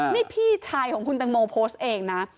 นี่พี่ชายของคุณตังโมโพสต์เองนะ